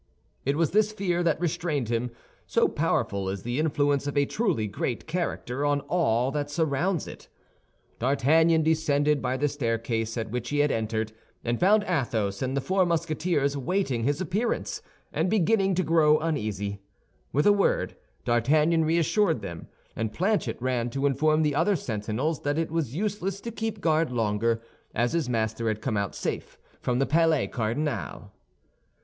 It was this fear that restrained him, so powerful is the influence of a truly great character on all that surrounds it. D'Artagnan descended by the staircase at which he had entered, and found Athos and the four Musketeers waiting his appearance, and beginning to grow uneasy. With a word, D'Artagnan reassured them; and Planchet ran to inform the other sentinels that it was useless to keep guard longer, as his master had come out safe from the Palais Cardinal.